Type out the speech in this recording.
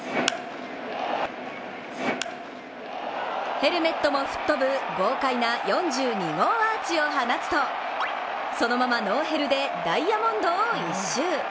ヘルメットも吹っ飛ぶ豪快な４２号アーチを放つとそのままノーヘルでダイヤモンドを一周。